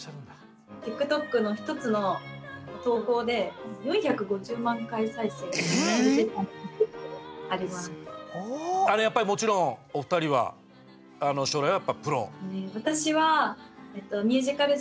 ＴｉｋＴｏｋの１つの投稿でやっぱりもちろんお二人は将来はやっぱプロ？